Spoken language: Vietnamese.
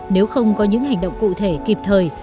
nếu không có những hành động cụ thể kịp thời